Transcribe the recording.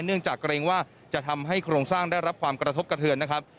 เนื่องจากเกรงว่าจะทำให้โครงสร้างได้รับความกระทบกระเทือนนะครับ